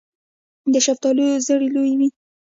د شفتالو زړې لویې وي.